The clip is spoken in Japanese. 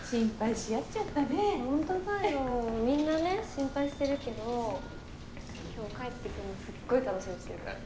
みんなね心配してるけど今日帰ってくるのすっごい楽しみにしてるからね